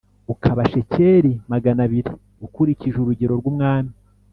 ukaba shekeli magana abiri ukurikije urugero rw’umwami.